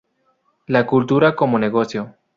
La cultura como negocio".